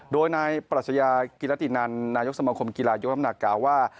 โดยนายปรัชญากิรตินันนายกสมคมกีฬายกน้ำหนักกล่าวว่า